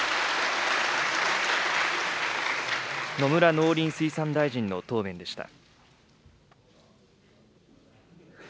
野村農林水産大臣の答弁でした。